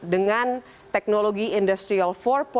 dengan teknologi industrial empat